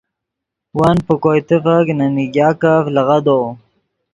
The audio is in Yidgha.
ون پے کوئے تیفک نے میگاکف لیغدو